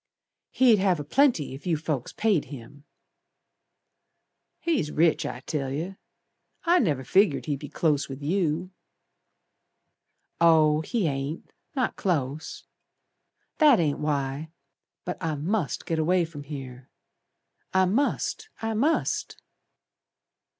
"He'd have a plenty, if you folks paid him." "He's rich I tell yer. I never figured he'd be close with you." "Oh, he ain't. Not close. That ain't why. But I must git away from here. I must! I must!"